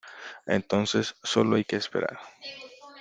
entonces solo hay que esperar.